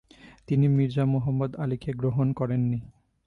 তিনি মির্জা মুহম্মদ আলী কে গ্রহণ করেন নি।